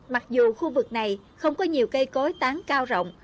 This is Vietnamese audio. mặc dù khu vực này không có nhiều cây cối tán cao rộng